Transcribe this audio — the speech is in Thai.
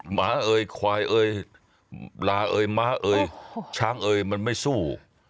ม้าเอ่ยควายเอ่ยลาเอ่ยม้าเอ่ยช้างเอ่ยมันไม่สู้